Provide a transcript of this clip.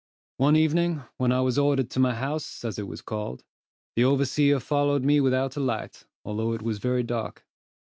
One evening, when I was ordered to my house as it was called, the overseer followed me without a light, although it was very dark.